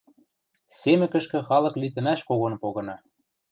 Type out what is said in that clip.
Семӹкӹшкӹ халык литӹмӓш когон погына.